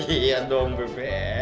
iya dong beb